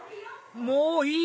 もういい！